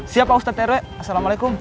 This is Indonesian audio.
siap pak ustadz rw assalamualaikum